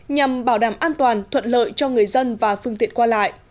nhằm bảo đảm an toàn thuận lợi cho người dân và phương tiện qua lại